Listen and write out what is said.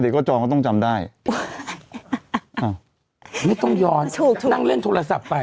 ก็จองก็ต้องจำได้อ้าวไม่ต้องย้อนถูกนั่งเล่นโทรศัพท์ไป